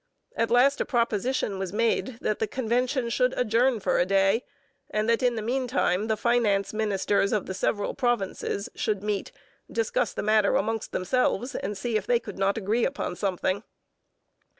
At last a proposition was made that the convention should adjourn for the day, and that in the meantime the finance ministers of the several provinces should meet, discuss the matter amongst themselves, and see if they could not agree upon something.